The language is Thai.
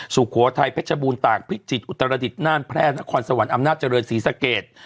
สุโขทัยเพชรบูรตากพิจิตรอุตรดิษฐน่านแพร่นครสวรรค์อำนาจเจริญศรีสะเกด